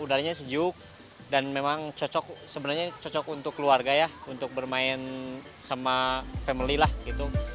udaranya sejuk dan memang cocok sebenarnya cocok untuk keluarga ya untuk bermain sama family lah gitu